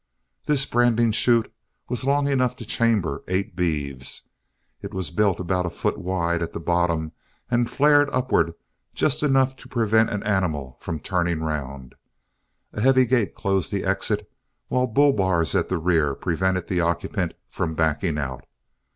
This branding chute was long enough to chamber eight beeves. It was built about a foot wide at the bottom and flared upward just enough to prevent an animal from turning round. A heavy gate closed the exit, while bull bars at the rear prevented the occupant from backing out.